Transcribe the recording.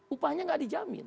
upahnya gak dijamin